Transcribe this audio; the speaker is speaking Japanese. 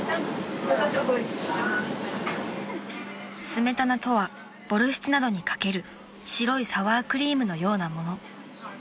［スメタナとはボルシチなどに掛ける白いサワークリームのようなもの］